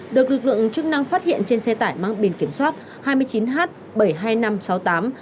được lực lượng chức năng phát hiện trên xe tải mang biển kiểm soát hai mươi chín h bảy mươi hai nghìn năm trăm sáu mươi tám